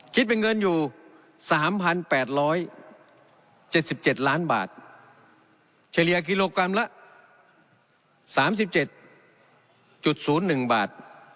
คิดเป็นเงินอยู่๓๘๗๗ล้านบาทเฉลี่ยกิโลกรัมละ๓๗๐๑บาท